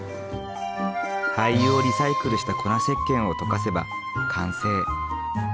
廃油をリサイクルした粉せっけんを溶かせば完成。